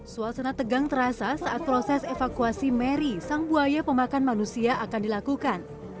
suasana tegang terasa saat proses evakuasi mary sang buaya pemakan manusia akan dilakukan